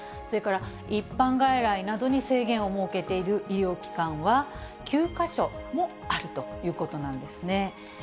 それから一般外来などに制限を設けている医療機関は９か所もあるということなんですね。